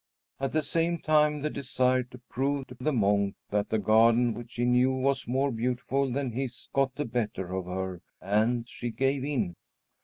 At the same time the desire to prove to the monk that the garden which she knew was more beautiful than his got the better of her, and she gave in.